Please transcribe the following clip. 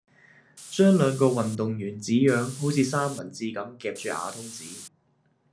將兩個運動員紙樣好似三文治咁夾住瓦通紙